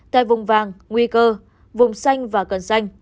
tại vùng vàng nguy cơ vùng xanh và cần xanh